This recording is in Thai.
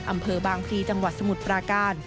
อำเภอบางพลีจังหวัดสมุทรปราการ